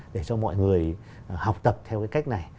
để cho mọi người học tập theo cái cách này